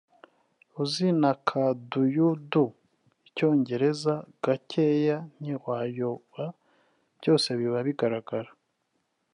uzi na ka Do you do(Icyongereza)gakeya ntiwayoba byose biba bigaragara